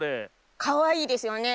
かわいいですよね。